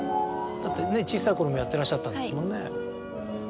だって小さいころもやってらっしゃったんですもんね。